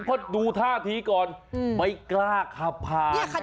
เพราะดูท่าทีก่อนไม่กล้าขับผ่าน